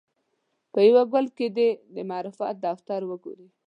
په یوه ګل کې دې د معرفت دفتر وګوري.